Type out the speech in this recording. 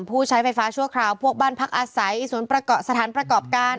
ผู้ใช้ไฟฟ้าชั่วคราวพวกบ้านพักอาศัยศูนย์ประกอบสถานประกอบการ